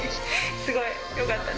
すごい、よかったね。